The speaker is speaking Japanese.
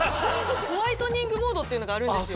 ホワイトニングモードっていうのがあるんですよ。